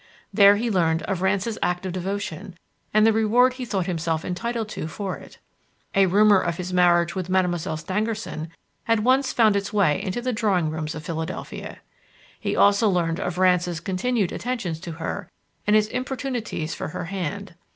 There he learned of Rance's act of devotion and the reward he thought himself entitled to for it. A rumour of his marriage with Mademoiselle Stangerson had once found its way into the drawing rooms of Philadelphia. He also learned of Rance's continued attentions to her and his importunities for her hand.